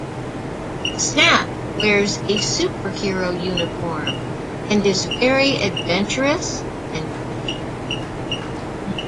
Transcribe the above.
Snap wears a superhero uniform and is very adventurous and witty.